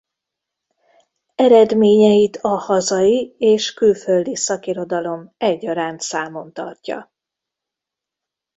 Eredményeit a hazai és külföldi szakirodalom egyaránt számon tartja.